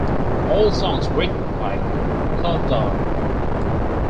All songs written by Kerbdog.